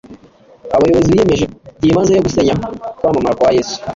aba bayobozi biyemeje byimazeyo gusenya kwamamara kwa Yesu